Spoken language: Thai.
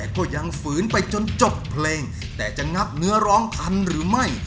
ก็ยังฝืนไปจนจบเพลงแต่จะงับเนื้อร้องทันหรือไม่